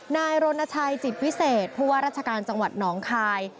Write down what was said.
นายรนชัยจีดพิเศษเพราะว่ารัชการจังหวัดหนองคลาย